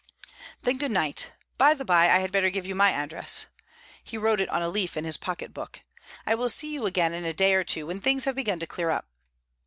"Then, good night. By the bye, I had better give you my address." He wrote it on a leaf in his pocket book. "I will see you again in a day or two, when things have begun to clear up."